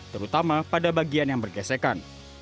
terutama pada bagian yang bergesekan